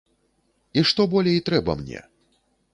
І што болей трэба мне?